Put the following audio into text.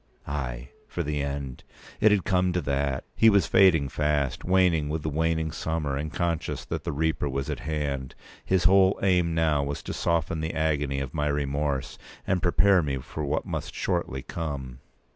Ay, for the end! It had come to that. He was fading fast, waning with the waning summer, and conscious that the Reaper was at hand. His whole aim now was to soften the agony of my remorse, and prepare me for what must shortly come.